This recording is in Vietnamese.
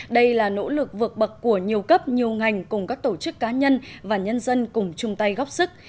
đây là nỗ lực vượt bậc của nhiều cấp nhiều ngành cùng các tổ chức cá nhân và nhân dân cùng chung tay góp sức